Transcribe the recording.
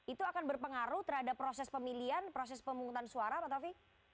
itu akan berpengaruh terhadap proses pemilihan proses pemungutan suara pak taufik